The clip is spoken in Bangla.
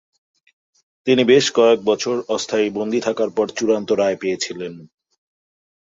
তিনি বেশ কয়েক বছর অস্থায়ী বন্দী থাকার পর চূড়ান্ত রায় পেয়েছিলেন।